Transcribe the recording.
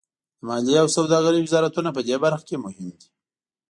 د مالیې او سوداګرۍ وزارتونه پدې برخه کې مهم دي